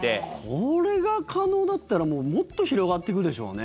これが可能だったらもっと広がっていくでしょうね。